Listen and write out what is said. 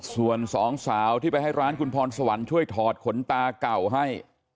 ส่วนสองสาวที่ไปให้ร้านคุณพรสวรรค์ช่วยถอดขนตาเก่าให้